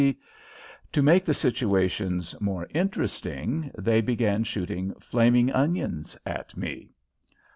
F. C. To make the situation more interesting, they began shooting "flaming onions" at me.